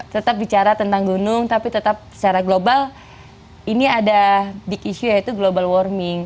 tetap bicara tentang gunung tapi tetap secara global ini ada big issue yaitu global warming